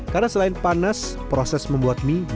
karena selain panas proses membuat mie